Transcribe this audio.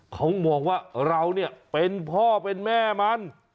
เขามองว่าเราเนี่ยเป็นพ่อเป็นแม่มัน